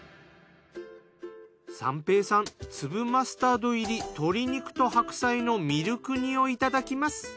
三瓶さん粒マスタード入り鶏肉と白菜のミルク煮をいただきます。